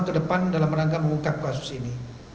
ke depan dalam rangka mengungkap kasus ini